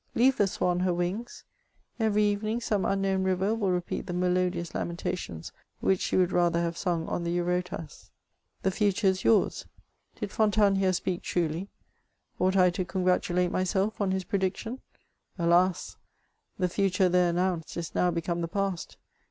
Leave the swan her wings — every evening some unknown river will repeat the melodious lamentations which she would rather have sung on the Eiurotas. The future is yours: did Fontanes here speak truly ?— ought I to congratulate myself on his prediction ? AJas !— the future there announced is now become the past.